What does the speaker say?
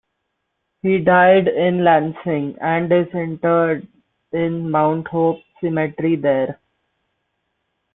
He died in Lansing and is interred in Mount Hope Cemetery there.